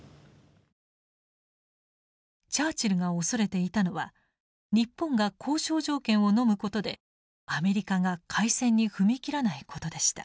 チャーチルが恐れていたのは日本が交渉条件をのむことでアメリカが開戦に踏み切らないことでした。